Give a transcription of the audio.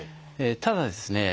ただですね